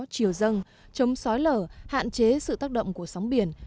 chiều dâng chống sói lở hạn chế sự tác động của sóng biển